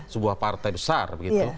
sebuah partai besar